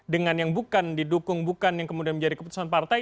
dengan yang bukan didukung bukan yang kemudian menjadi keputusan partai